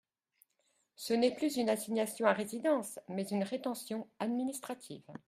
Ce n’est plus une assignation à résidence, mais une rétention administrative.